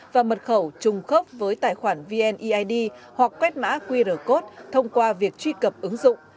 và mật khẩu trùng khớp với tài khoản vneid hoặc quét mã qr code thông qua việc truy cập ứng dụng